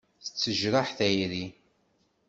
Tettejraḥ tayri.